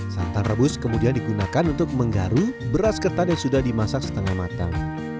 santan rebus kemudian digunakan untuk menggaru beras ketan yang sudah dimasak setengah matang